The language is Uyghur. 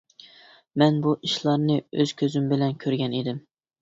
مەن بۇ ئىشلارنى ئۆز كۆزۈم بىلەن كۆرگەن ئىدىم.